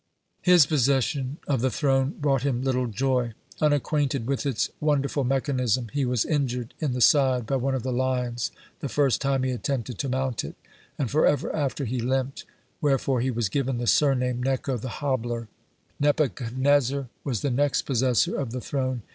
His possession of the throne brought him little joy. Unacquainted with its wonderful mechanism, he was injured in the side by one of the lions the first time he attempted to mount it, and forever after he limped, wherefore he was given the surname Necho, the hobbler. (71) Nebuchadnezzar was the next possessor of the throne.